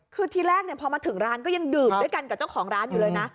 คือทีแรกพอมาถึงร้านก็ยังดื่มด้วยกันกับเจ้าของร้านอยู่เลยนะ